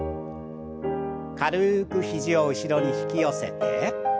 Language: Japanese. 軽く肘を後ろに引き寄せて。